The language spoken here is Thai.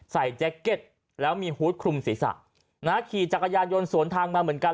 แจ็คเก็ตแล้วมีฮูตคลุมศีรษะนะขี่จักรยานยนต์สวนทางมาเหมือนกัน